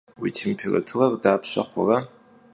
Vui têmpêraturer dapşe xhure?